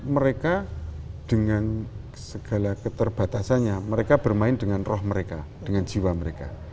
mereka dengan segala keterbatasannya mereka bermain dengan roh mereka dengan jiwa mereka